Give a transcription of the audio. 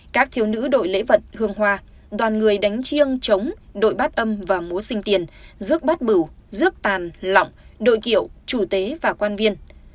các thiếu nữ đội lễ vận hương hoa đoàn người đánh chiêng chống đội bát âm và múa sinh tiền rước bát bửu dước tàn lỏng đội kiệu chủ tế và quan viên